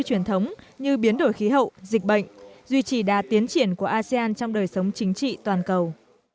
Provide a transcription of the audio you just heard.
truyền thống như biến đổi khí hậu dịch bệnh duy trì đa tiến triển của asean trong đời sống chính trị toàn cầu